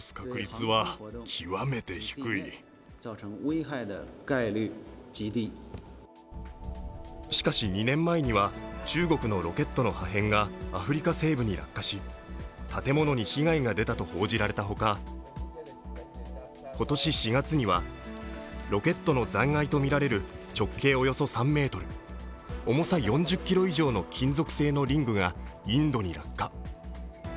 一方、中国政府はしかし２年前には、中国のロケットの破片がアフリカ西部に落下し、建物に被害が出たと報じられたほか今年４月にはロケットの残骸とみられる直径およそ３ｍ、重さ４０ｋｇ以上の金属製のリングがインドに落下。